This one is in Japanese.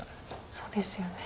そうですよね。